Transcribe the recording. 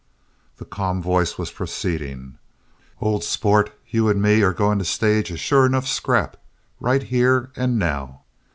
The calm voice was proceeding: "Old sport, you and me are going to stage a sure enough scrap right here and now.